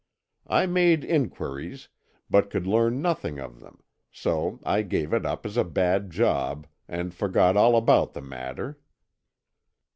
I made inquiries, but could learn nothing of them, so I gave it up as a bad job, and forgot all about the matter.